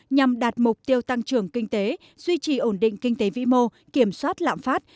nhằm đạt mục tiêu tăng trưởng kinh tế duy trì ổn định kinh tế vĩ mô kiểm soát lạm phát